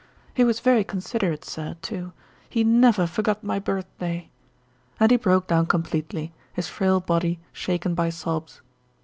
He was very considerate, sir, too. He never forgot my birthday," and he broke down completely, his frail body shaken by sobs.